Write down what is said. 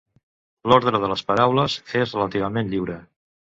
L'ordre de les paraules és relativament lliure.